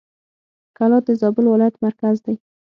کلات د زابل ولایت مرکز دی.